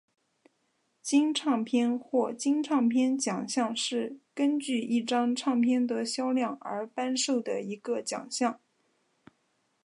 金唱片或金唱片奖项是根据一张唱片的销量而颁授的一个奖项。